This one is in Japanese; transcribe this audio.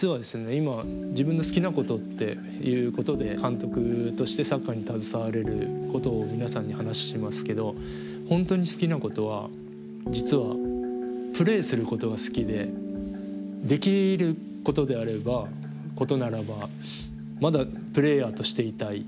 今自分の好きなことっていうことで監督としてサッカーに携われることを皆さんに話しますけど本当に好きなことは実はプレーすることが好きでできることであればことならばまだプレーヤーとしていたい。